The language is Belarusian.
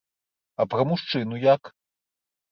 А пра мужчыну як?